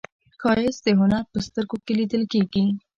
ښایست د هنر په سترګو کې لیدل کېږي